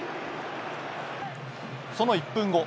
その１分後。